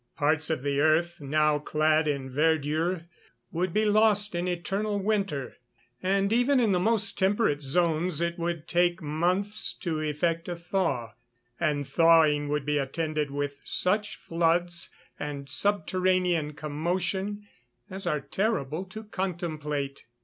Parts of the earth, now clad in verdure, would be lost in eternal winter; and even in the most temperate zones it would take months to effect a thaw; and thawing would be attended with such floods and subterranean commotion as are terrible to contemplate.